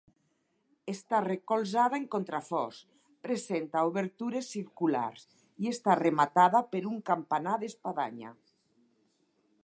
Està recolzada en contraforts, presenta obertures circulars i està rematada per un campanar d'espadanya.